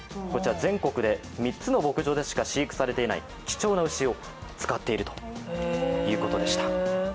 全国で３つの牧場でしか飼育されていない貴重な牛を使っているということでした。